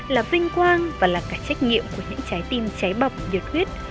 là vinh quang và là cả trách nhiệm của những trái tim cháy bọc nhiệt huyết